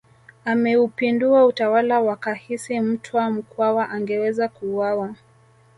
Ameupindua utawala wakahisi Mtwa Mkwawa angeweza kuuawa